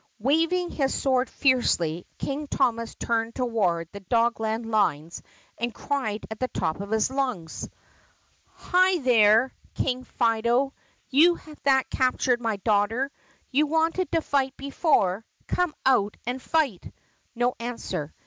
Waving his sword fiercely King Thomas turned toward the Dogland lines and cried at the top of his lungs: "Hi, there, THE PUSSYCAT PRINCESS 146 King Fido! You that captured my daughter! You wanted to fight before! Come on out and fight!" No answer.